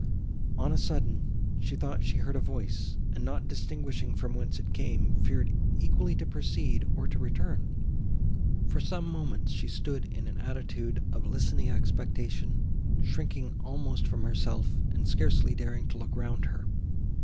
On a sudden, she thought she heard a voice, and, not distinguishing from whence it came, feared equally to proceed, or to return. For some moments, she stood in an attitude of listening expectation, shrinking almost from herself and scarcely daring to look round her.